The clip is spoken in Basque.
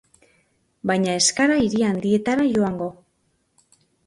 Baina ez gara hiri handietara joango.